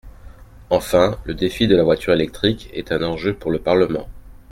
Enfin, le défi de la voiture électrique est un enjeu pour le Parlement.